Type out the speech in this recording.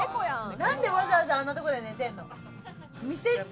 なんでわざわざあんなところで寝てるの？